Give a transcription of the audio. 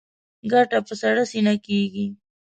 ګټه په سړه سینه کېږي.